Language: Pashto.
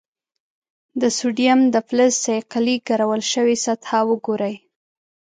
د سوډیم د فلز صیقلي ګرول شوې سطحه وګورئ.